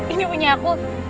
ini punya aku